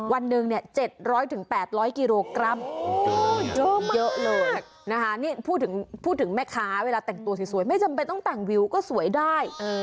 วันหนึ่งเนี่ย๗๐๐๘๐๐กิโลกรัมเยอะเลยนะคะนี่พูดถึงแม่ค้าเวลาแต่งตัวสวยไม่จำเป็นต้องแต่งวิวก็สวยได้